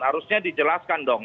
harusnya dijelaskan dong